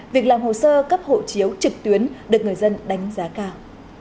việc làm hồ sơ cấp hộ chiếu trực tuyến được người dân đánh giá cao